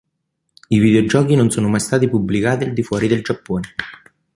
I videogiochi non sono mai stati pubblicati al di fuori del Giappone.